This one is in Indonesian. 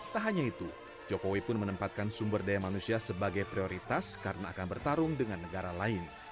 tak hanya itu jokowi pun menempatkan sumber daya manusia sebagai prioritas karena akan bertarung dengan negara lain